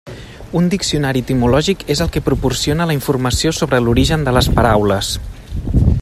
Un diccionari etimològic és el que proporciona la informació sobre l'origen de les paraules.